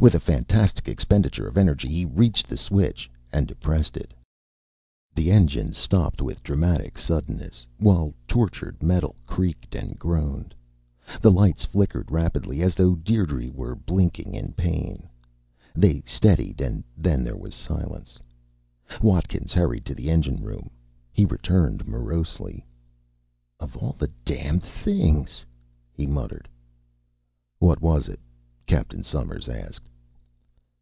With a fantastic expenditure of energy, he reached the switch, depressed it. The engines stopped with dramatic suddenness, while tortured metal creaked and groaned. The lights flickered rapidly, as though Dierdre were blinking in pain. They steadied and then there was silence. Watkins hurried to the engine room. He returned morosely. "Of all the damn things," he muttered. "What was it?" Captain Somers asked.